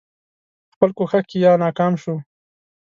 په خپل کوښښ کې یا ناکام شو.